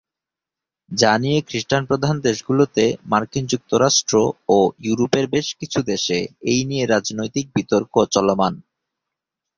যা নিয়ে খ্রিস্টান প্রধান দেশগুলোতে, মার্কিন যুক্তরাষ্ট্র ও ইউরোপের বেশ কিছু দেশে এই নিয়ে রাজনৈতিক বিতর্ক চলমান।